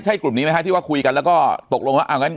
เป็นกลุ่มใหญ่แล้วก็ไปรวมกันที่สภาบ้างที่สำคัญ